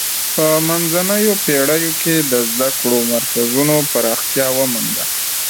په منځنیو پیړیو کې د زده کړو مرکزونو پراختیا ومونده.